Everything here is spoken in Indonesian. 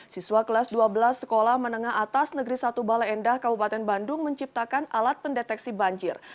siswa kelas dua belas sekolah menengah atas negeri satu bale endah kabupaten bandung menciptakan alat pendeteksi banjir